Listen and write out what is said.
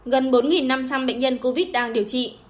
gần bốn năm trăm linh bệnh nhân covid đang điều trị